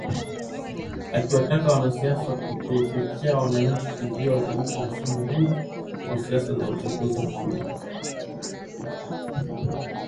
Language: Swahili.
akiwataka wanasiasa kutochochea wananchi kuzua vurugu msimu huu wa siasa za uchaguzi mkuu